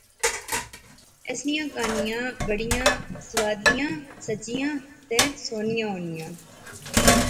اس نیاں کہانیاں بڑیاں سوادلیاں، سچیاں تہ سوہنیاں ہونیاں